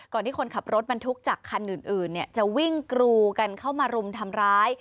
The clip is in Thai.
ที่คนขับรถบรรทุกจากคันอื่นจะวิ่งกรูกันเข้ามารุมทำร้าย